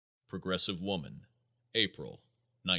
Progressive Woman, April, 1912.